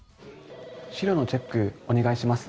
資料のチェックお願いします。